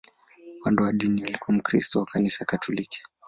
Upande wa dini, alikuwa Mkristo wa Kanisa Katoliki.